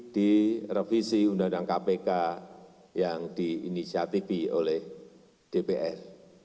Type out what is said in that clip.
di revisi undang undang kpk yang diinisiatifi oleh dpr